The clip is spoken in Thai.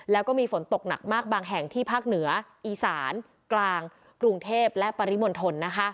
แล้วก็มีฝนตกหนักมากบางแห่งที่ภาคเหนืออีสานกลางกรุงเทพและปริมณฑล